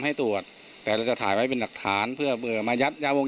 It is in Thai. ให้ตรวจแต่เราจะถ่ายไว้เป็นหลักฐานเพื่อเบื่อมายัดยาวง